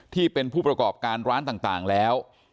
ที่เป็นผู้ประกอบการร้านต่างแล้ว